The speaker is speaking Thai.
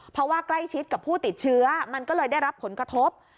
เพราะว่าใกล้ชิดกับผู้ติดเชื้อมันก็เลยได้รับผลกระทบ